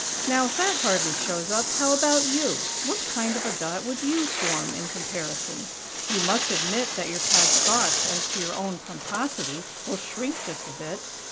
Now, if that hardly shows up, how about you? What kind of a dot would you form in comparison? You must admit that your past thoughts as to your own pomposity will shrink just a bit!